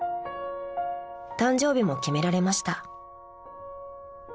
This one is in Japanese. ［誕生日も決められました］